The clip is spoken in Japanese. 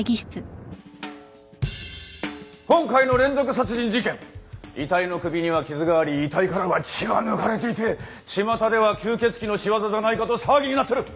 今回の連続殺人事件遺体の首には傷があり遺体からは血が抜かれていてちまたでは吸血鬼の仕業じゃないかと騒ぎになってる。